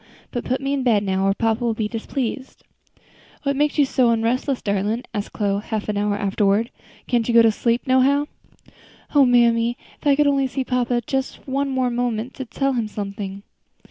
But put me in bed now, or papa will be displeased." "What makes you so onrestless, darlin'?" asked Chloe, half an hour afterward; "can't you go to sleep no how?" "O mammy! if I could only see papa just for one moment to tell him something.